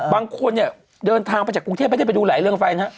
บางคนเนี่ยเดินทางไปจากกรุงเทพไม่ได้ไปดูหลายเรื่องไฟนะฮะ